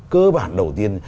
cơ bản đầu tiên